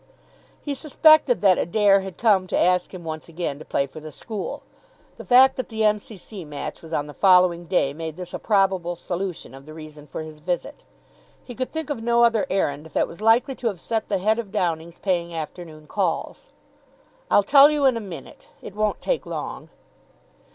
He suspected that Adair had come to ask him once again to play for the school. The fact that the M.C.C. match was on the following day made this a probable solution of the reason for his visit. He could think of no other errand that was likely to have set the head of Downing's paying afternoon calls. "I'll tell you in a minute. It won't take long."